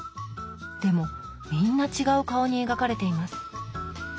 でもみんな違う顔に描かれています。